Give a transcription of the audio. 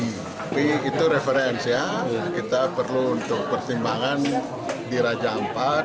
tapi itu referensi ya kita perlu untuk pertimbangan di raja ampat